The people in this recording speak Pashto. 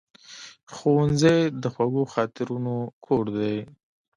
ښوونځی د خوږو خاطرونو کور دی